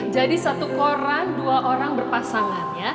jadi satu koran dua orang berpasangan